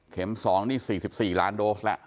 เข็ม๒นี่๔๔ล้านโดสแหละ